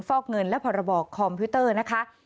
ฟอกเงินและพรบคอมพิวเตอร์นะคะ